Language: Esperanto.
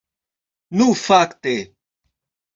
Nu fakte!